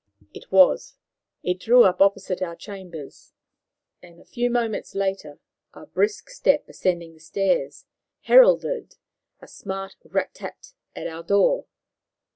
It was. It drew up opposite our chambers, and a few moments later a brisk step ascending the stairs heralded a smart rat tat at our door.